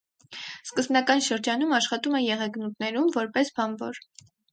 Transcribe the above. Սկզբնական շրջանում աշխատում է եղեգնուտներում, որպես բանվոր։